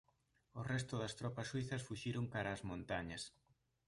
O resto das tropas suízas fuxiron cara ás montañas.